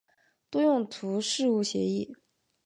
多用途事务协议。